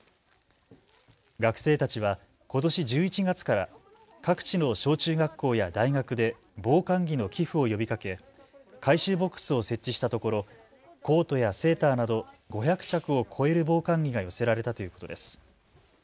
学生たちは、ことし１１月から各地の小中学校や大学で防寒着の寄付を呼びかけ回収ボックスを設置したところコートやセーターなど５００着を超える防寒着が寄せられたということです。